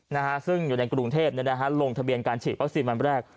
นะฮะซึ่งอยู่ในกรุงเทพเนี่ยนะฮะลงทะเบียนการฉีดวัคซีนวันแรก